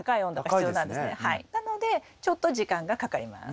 なのでちょっと時間がかかります。